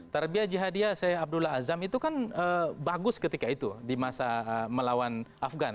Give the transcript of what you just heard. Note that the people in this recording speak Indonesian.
tarbiyah jihadiyah syed abdullah azam itu kan bagus ketika itu di masa melawan afgan